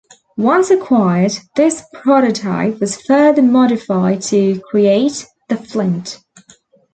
Once acquired, this prototype was further modified to create the Flint.